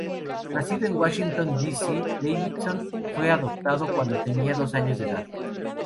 Nacido en Washington D. C., Davidson fue adoptado cuando tenía dos años de edad.